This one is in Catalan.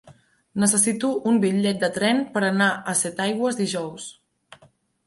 Necessito un bitllet de tren per anar a Setaigües dijous.